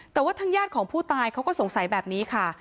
แต่ว่าทางญาติของผู้ตายเขาก็สงสัยแบบนี้ค่ะ